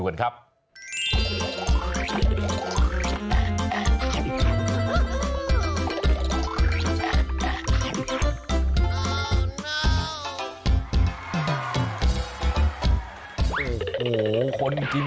ไปแข่งกิน